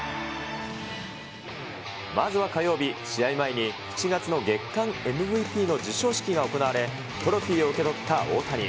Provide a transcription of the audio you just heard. まずは火曜日、試合前に７月の月間ＭＶＰの授賞式が行われ、トロフィーを受け取った大谷。